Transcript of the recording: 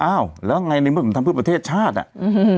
อ้าวแล้วไงในเมื่อผมทำเพื่อประเทศชาติอ่ะอืม